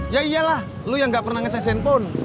ya iyalah lu yang gak pernah ngecek handphone